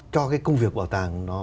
cho cái công việc bảo tàng nó